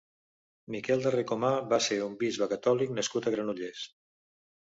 Miquel de Ricomà va ser un bisbe catòlic nascut a Granollers.